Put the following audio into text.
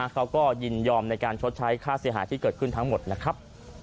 เขาก็ยินยอมในการชดใช้ค่าเสียหายที่เกิดขึ้นทั้งหมดนะครับ